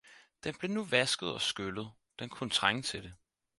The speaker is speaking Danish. Den blev nu vasket og skyllet, den kunne trænge til det.